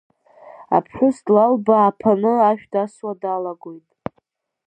Аԥҳәыс длалбааԥаны ашә дасуа далагоит.